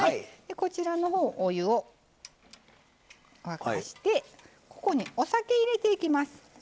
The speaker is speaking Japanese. こちらのほう、お湯を沸かしてここにお酒を入れていきます。